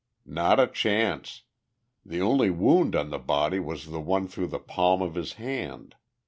"Not a chance! The only wound on the body was the one through the palm of his hand.